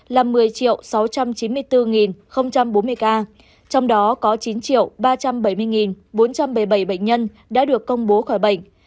là một mươi sáu trăm chín mươi bốn bốn mươi ca trong đó có chín ba trăm bảy mươi bốn trăm bảy mươi bảy bệnh nhân đã được công bố khỏi bệnh